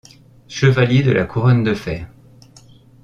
Chevalier de la Couronne de fer.